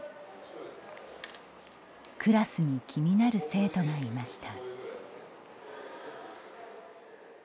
クラスに気になる生徒がいました。